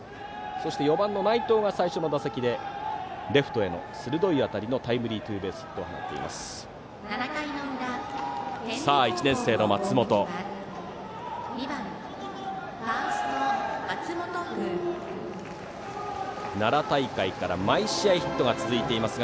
そして、４番の内藤が最初の打席でレフトへの鋭い当たりのタイムリーツーベースヒットを打っています。